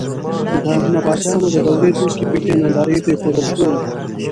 د نبطیانو د دورې توکي په کې نندارې ته اېښودل شوي وو.